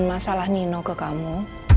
masalah nino ke kamu